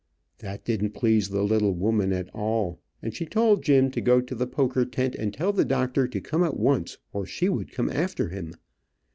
That didn't please the little woman at all, and she told Jim to go to the poker tent and tell the doctor to come at once, or she would come after him.